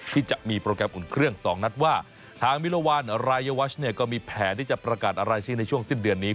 ที่จะมีโปรแกรมอุ่นเครื่อง๒นัดว่าทางมิรวรรณรายวัชเนี่ยก็มีแผนที่จะประกาศรายชื่อในช่วงสิ้นเดือนนี้